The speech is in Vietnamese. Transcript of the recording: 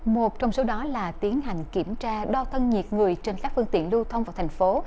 một trong số đó là tiến hành kiểm tra đo thân nhiệt người trên các phương tiện lưu thông vào thành phố